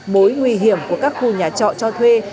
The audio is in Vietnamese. mối nguy hiểm của các khu nhà trọ cho thuê